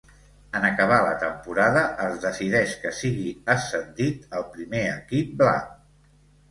En acabar la temporada, es decideix que sigui ascendit al primer equip blanc.